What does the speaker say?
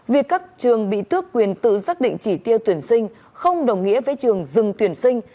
việc các trường bị tước quyền tự xác định chỉ tiêu tuyển sinh không đồng nghĩa với trường dừng tuyển sinh